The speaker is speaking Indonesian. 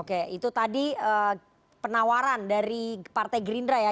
oke itu tadi penawaran dari partai gerindra ya